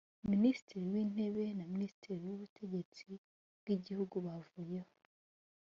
minisitiri w intebe naminisitiri w ubutegetsi bw igihugu bavuyeho